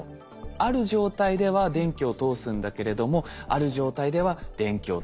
ある状態では電気を通すんだけれどもある状態では電気を通しませんよ。